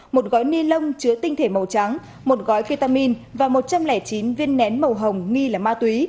một gói ni lông chứa tinh thể màu trắng một gói ketamin và một trăm linh chín viên nén màu hồng nghi là ma túy